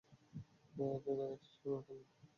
এভাবে তাকাচ্ছিস কেনো রে!